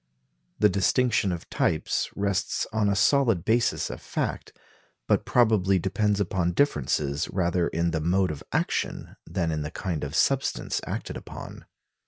The distinction of types rests on a solid basis of fact, but probably depends upon differences rather in the mode of action than in the kind of substance acted upon.